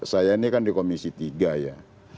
saya ini kan di komisi tiga ya